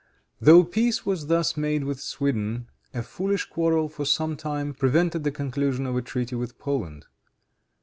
Though peace was thus made with Sweden, a foolish quarrel, for some time, prevented the conclusion of a treaty with Poland.